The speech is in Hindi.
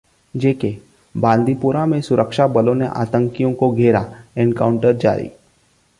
J-K: बांदीपोरा में सुरक्षाबलों ने आतंकियों को घेरा, एनकाउंटर जारी